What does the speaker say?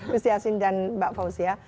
gus yassin dan mbak fauzia